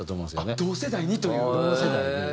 あっ同世代にという。